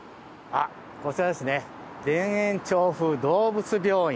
こちらですね田園調布動物病院。